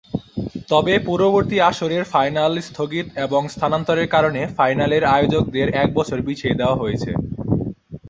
তবে পূর্ববর্তী আসরের ফাইনাল স্থগিত ও স্থানান্তরের কারণে ফাইনালের আয়োজকদের এক বছর পিছিয়ে দেয়া হয়েছে।